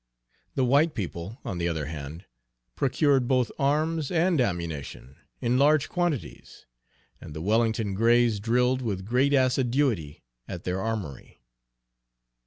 The white people, on the other hand, procured both arms and ammunition in large quantities, and the Wellington Grays drilled with great assiduity at their armory.